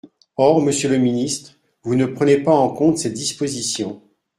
Or, monsieur le ministre, vous ne prenez pas en compte cette disposition.